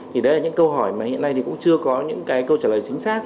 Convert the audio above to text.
thì đấy là những câu hỏi mà hiện nay thì cũng chưa có những cái câu trả lời được